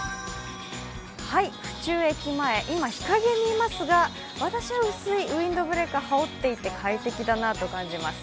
府中駅前今、日陰にいますが私は薄いウインドブレーカーはおっていて快適だなと感じます。